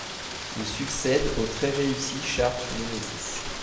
Il succède au très réussi Sharp Nemesis.